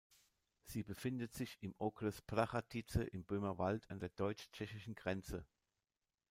Sie befindet sich im Okres Prachatice im Böhmerwald an der deutsch-tschechischen-Grenze.